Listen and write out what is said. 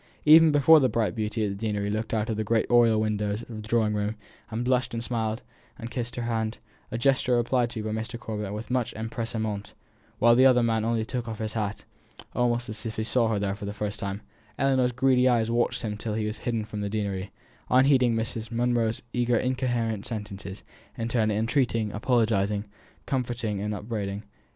Even before the bright beauty at the deanery looked out of the great oriel window of the drawing room, and blushed, and smiled, and kissed her hand a gesture replied to by Mr. Corbet with much empressement, while the other man only took off his hat, almost as if he saw her there for the first time Ellinor's greedy eyes watched him till he was hidden from sight in the deanery, unheeding Miss Monro's eager incoherent sentences, in turn entreating, apologising, comforting, and upbraiding.